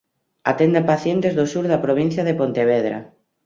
Atende pacientes do sur da provincia de Pontevedra.